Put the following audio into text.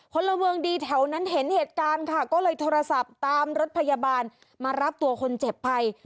พลเมืองดีแถวนั้นเห็นเหตุการณ์ค่ะก็เลยโทรศัพท์ตามรถพยาบาลมารับตัวคนเจ็บไป